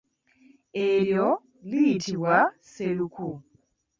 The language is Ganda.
Eryo liyitibwa sseruku.